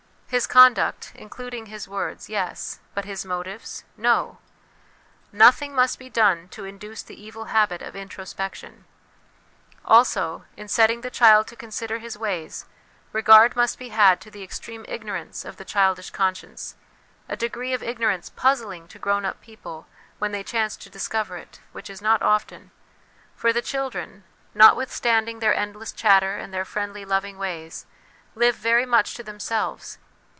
His conduct, including his words, yes ; but his motives, no ; nothing must be done to induce the evil habit of introspection. Also, in setting the child to consider his ways, regard must be had to the extreme ignorance of the childish conscience, a degree of ignorance puzzling to grown up people when they chance to discover it, which is not often, for the children, notwithstanding their endless chatter and their friendly, loving ways, live very much to them selves.